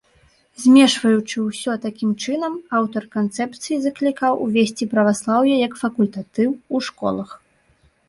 Змешваючы ўсё такім чынам, аўтар канцэпцыі заклікаў увесці праваслаўе як факультатыў у школах.